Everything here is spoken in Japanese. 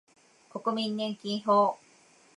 国民年金法